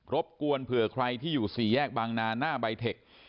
บกวนเผื่อใครที่อยู่สี่แยกบางนาหน้าใบเทค